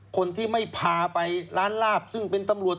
คนที่ไม่พาไปร้านลาบซึ่งเป็นตำรวจ